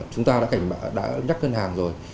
chúng ta đã nhắc ngân hàng rồi